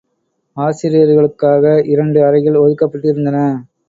ஆசிரியர்களுக்காக இரண்டு அறைகள் ஒதுக்கப்பட்டிருந்தன.